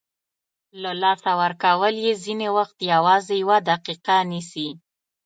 له لاسه ورکول یې ځینې وخت یوازې یوه دقیقه نیسي.